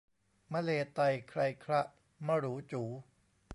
มะเลไตไคลคละมะหรูจู๋